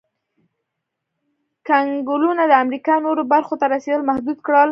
کنګلونو د امریکا نورو برخو ته رسېدل محدود کړل.